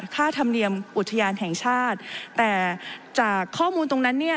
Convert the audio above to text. ธรรมเนียมอุทยานแห่งชาติแต่จากข้อมูลตรงนั้นเนี่ย